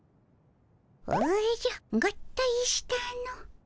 おじゃ合体したの。